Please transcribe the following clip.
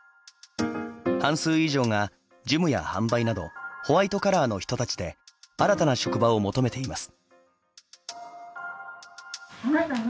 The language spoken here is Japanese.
半数以上が事務や販売などホワイトカラーの人たちで新たな職場を求めています。